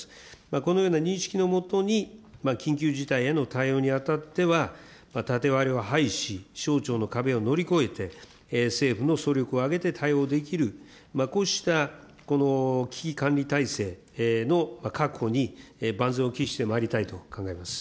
このような認識のもとに、緊急事態への対応にあたっては、縦割りを排し、省庁の壁を乗り越えて、政府の総力を挙げて対応できる、こうしたこの危機管理体制の確保に万全を期してまいりたいと考え